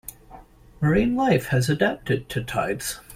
Marine life has adapted to tides.